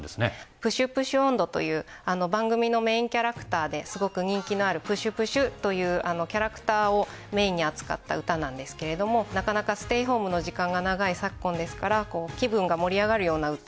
『ぷしゅぷしゅ音頭』という番組のメインキャラクターですごく人気のあるぷしゅぷしゅというキャラクターをメインに扱った歌なんですけれどもなかなかステイホームの時間が長い昨今ですから気分が盛り上がるような歌。